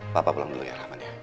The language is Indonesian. papa pulang dulu ya rahman ya